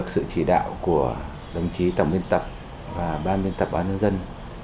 sự chỉ đạo của đồng chí tổng biên tập và ban biên tập bán nhân dân